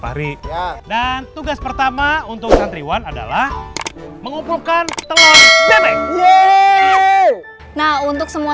fahri dan tugas pertama untuk santriwan adalah mengumpulkan telur bebek nah untuk semua